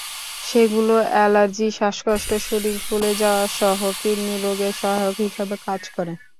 সেগুলো অ্যালার্জি, শ্বাসকষ্ট, শরীর ফুলে যাওয়াসহ কিডনির রোগের সহায়ক হিসেবে কাজ করে।